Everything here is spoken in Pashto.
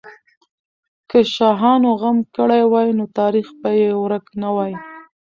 که شاهانو غم کړی وای، نو تاریخ به یې ورک نه وای.